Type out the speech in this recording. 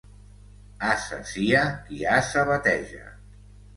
Ase sia qui ase bateja.